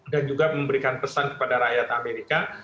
juga memberikan pesan kepada rakyat amerika